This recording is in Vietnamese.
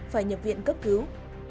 phải nhập viện cấp cứu